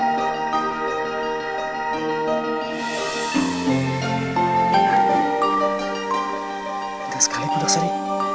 tidak sekali pudak seri